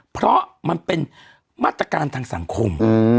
เพราะมันเป็นมาตรการทางสังคม